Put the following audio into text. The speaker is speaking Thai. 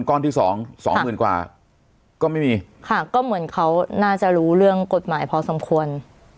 ก้อนที่สองสองหมื่นกว่าก็ไม่มีค่ะก็เหมือนเขาน่าจะรู้เรื่องกฎหมายพอสมควร